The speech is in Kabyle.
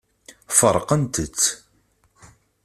Feṛqent-tt.